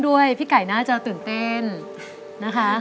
ขอจองในจ่ายของคุณตะกะแตนชลดานั่นเองนะครับ